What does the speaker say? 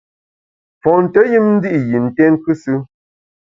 Fonte yùm ndi’ yi nté nkusù.